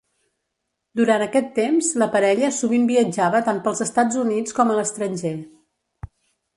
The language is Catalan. Durant aquest temps la parella sovint viatjava tant pels Estats Units com a l'estranger.